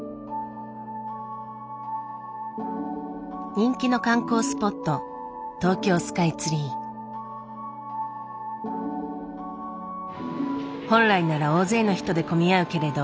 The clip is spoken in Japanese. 人気の観光スポット本来なら大勢の人で混み合うけれど